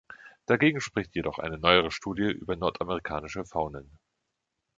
Dagegen spricht jedoch eine neuere Studie über nordamerikanische Faunen.